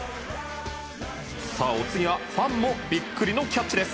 お次はファンもビックリのキャッチです。